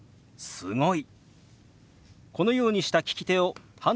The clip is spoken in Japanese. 「すごい」。